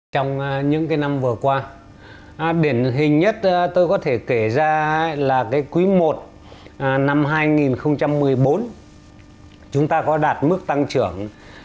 trong những năm vừa qua điển hình nhất tôi có thể kể ra là quý i năm hai nghìn một mươi bốn chúng ta có đạt mức tăng trưởng hai sáu mươi tám